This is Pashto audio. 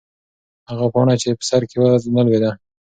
هغه پاڼه چې په سر کې وه نه لوېده.